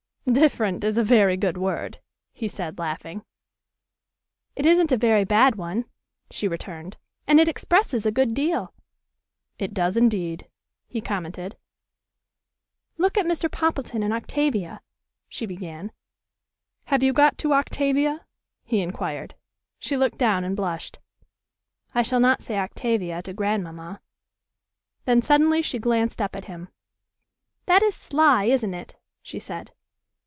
"'Different' is a very good word," he said, laughing. "It isn't a very bad one," she returned, "and it expresses a good deal." "It does indeed," he commented. "Look at Mr. Poppleton and Octavia," she began. "Have you got to 'Octavia'?" he inquired. She looked down and blushed. "I shall not say 'Octavia' to grandmamma." Then suddenly she glanced up at him. "That is sly, isn't it?" she said.